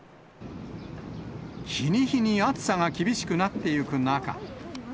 日に日に暑さが厳しくなってゆく中。